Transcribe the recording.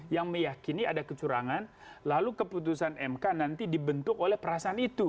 yang meyakini ada kecurangan lalu keputusan mk nanti dibentuk oleh perasaan itu